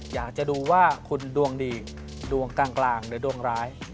อยากจะดูว่าคุณดวงดีดวงกลางหรือดวงร้าย